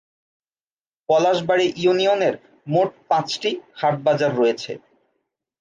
পলাশবাড়ী ইউনিয়নের মোট পাঁচটি হাট বাজার রয়েছে।